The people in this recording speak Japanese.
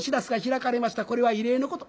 これは異例のこと。